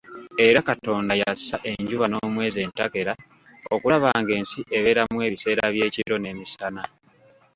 Era Katonda yassa enjuba n'omwezi entakera okulaba ng'ensi ebeeramu ebiseera by'ekiro n'emisana.